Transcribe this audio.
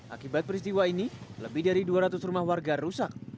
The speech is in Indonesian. akibat peristiwa ini lebih dari dua ratus rumah warga rusak